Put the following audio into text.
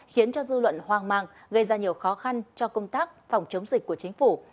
khiến cho dư luận hoang mang gây ra nhiều khó khăn cho công tác phòng chống dịch của chính phủ